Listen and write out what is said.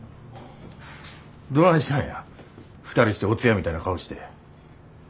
どないしたんや２人してお通夜みたいな顔して。